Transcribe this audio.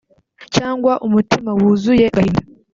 cyangwa umutima wuzuye agahinda